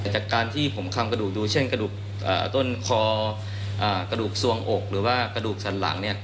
แต่จากการที่ผมคำกระดูกดูเช่นกระดูกต้นคอกระดูกส่วงอกหรือว่ากระดูกสันหลัง